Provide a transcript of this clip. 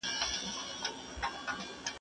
زه جنګ نه کوم.